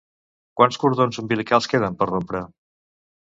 Quants cordons umbilicals queden per rompre?